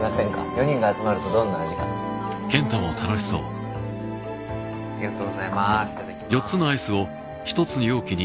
４人が集まるとどんな味かうーんありがとうございますいただきます